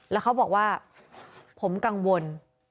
แล้วเขาบอกว่าผมกังวล